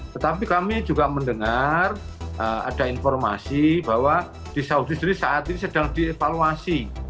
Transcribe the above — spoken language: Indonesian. tetapi kami juga mendengar ada informasi bahwa di saudi sendiri saat ini sedang dievaluasi